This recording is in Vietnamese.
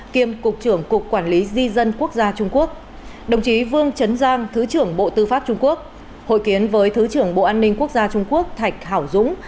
kiêm cục trưởng cục quản lý di dân quốc gia trung quốc đồng chí vương trấn giang thứ trưởng bộ tư pháp trung quốc hội kiến với thứ trưởng bộ an ninh quốc gia trung quốc thạch hảo dũng